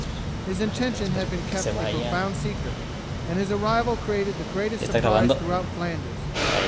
His intention had been kept a profound secret, and his arrival created the greatest surprise throughout Flanders.